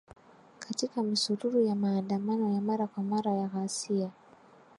katika misururu ya maandamano ya mara kwa mara ya ghasia